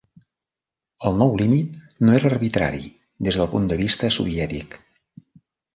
El nou límit no era arbitrari des del punt de vista soviètic.